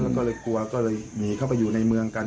แล้วก็เลยกลัวก็เลยหนีเข้าไปอยู่ในเมืองกัน